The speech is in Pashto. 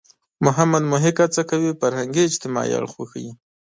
محمد محق هڅه کوي فرهنګي – اجتماعي اړخ وښيي.